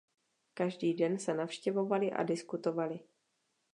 Každý den se navštěvovali a diskutovali.